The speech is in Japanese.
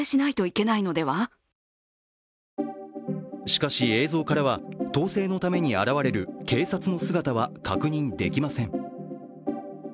しかし、映像からは統制のために現れる警察の姿は確認できません。